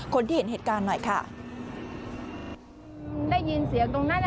คนที่เห็นเหตุการณ์หน่อยค่ะได้ยินเสียงตรงนั้นอ่ะ